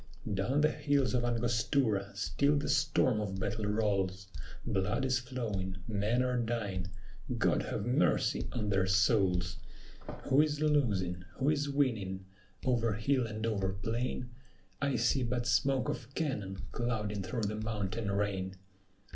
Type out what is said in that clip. "Down the hills of Angostura still the storm of battle rolls; Blood is flowing, men are dying; God have mercy on their souls!" Who is losing? who is winning? "Over hill and over plain, I see but smoke of cannon clouding through the mountain rain."